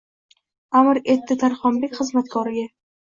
Amr etdi Tarxonbek xizmatkoriga.